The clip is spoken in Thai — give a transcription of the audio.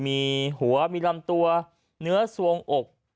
มีหัวมีลำตัวเนื้อสวงอก